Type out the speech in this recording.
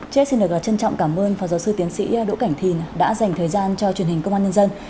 ché xin được trân trọng cảm ơn phó giáo sư tiến sĩ đỗ cảnh thìn đã dành thời gian cho truyền hình công an nhân dân